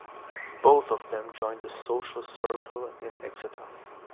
Both of them joined the social circle in Exeter.